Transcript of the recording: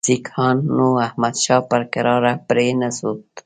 سیکهانو احمدشاه پر کراره پرې نه ښود.